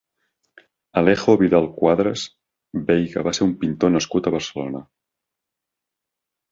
Alejo Vidal-Quadras Veiga va ser un pintor nascut a Barcelona.